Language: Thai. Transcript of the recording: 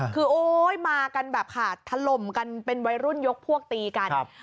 คือโอ๊ยมากันแบบค่ะถล่มกันเป็นวัยรุ่นยกพวกตีกัน